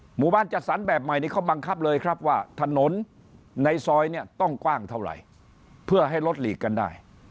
หมู่บ้านจัดสรรแบบใหม่นี้เขาบังคับเลยครับว่าถนนในซอยเนี่ยต้องกว้างเท่าไหร่เพื่อให้รถหลีกกันได้